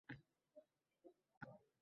Xayrlashmak uchun siz bilan. Ketdim.